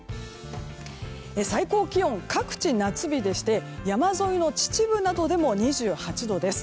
最高気温、各地夏日でして山沿いの秩父などでも２８度です。